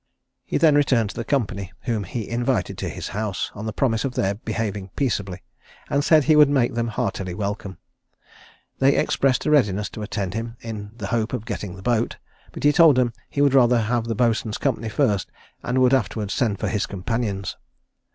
He then returned to the company, whom he invited to his house, on the promise of their behaving peaceably, and said he would make them heartily welcome. They expressed a readiness to attend him, in the hope of getting the boat; but he told them he would rather have the boatswain's company first, and would afterwards send for his companions.